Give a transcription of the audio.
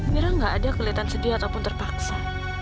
mira nggak ada kelihatan sedih ataupun terpaksa